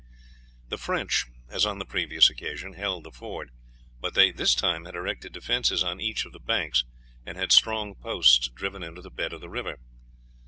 The French, as on the previous occasion, held the ford; but they this time had erected defences on each of the banks, and had strong posts driven into the bed of the river.